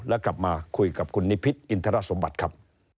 แล้วกลับมาคุยกับคุณนิพิษอินทรสมบัติครับ